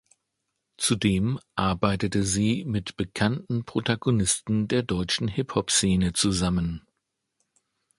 Zudem arbeitete sie mit bekannten Protagonisten der deutschen Hip-Hop-Szene zusammen.